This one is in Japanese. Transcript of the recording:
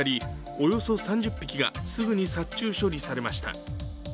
およそ３０匹がすぐに殺虫処理されました。